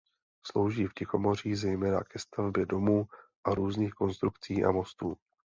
Slouží v Tichomoří zejména ke stavbě domů a různých konstrukcí a mostů.